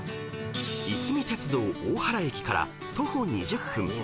［いすみ鉄道大原駅から徒歩２０分］